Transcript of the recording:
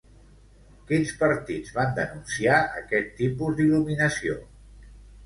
Quins partits van denunciar aquest tipus d'il·luminació?